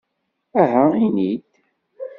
Aha ini-d!